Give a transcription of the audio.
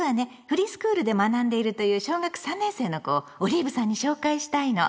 フリースクールで学んでいるという小学３年生の子をオリーブさんに紹介したいの。